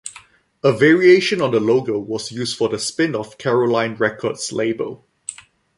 A variation on the logo was used for the spin-off Caroline Records label.